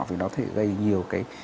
vì nó có thể gây nhiều cái